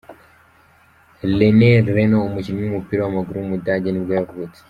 René Renno, umukinnyi w’umupira w’amaguru w’umudage nibwo yavutse.